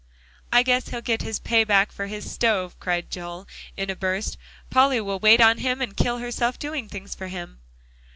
"I guess he'll get his pay back for his stove," cried Joel in a burst; "Polly will wait on him, and kill herself doing things for him."